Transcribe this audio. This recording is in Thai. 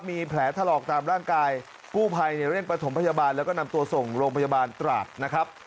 มีแผลถลอกตามร่างกายกู้ภัยเนี่ยเร่งประถมพยาบาลแล้วก็นำตัวส่งโรงพยาบาลตราดนะครับ